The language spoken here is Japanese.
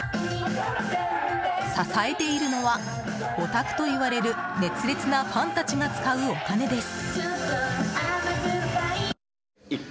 支えているのはオタクといわれる熱烈なファンたちが使うお金です。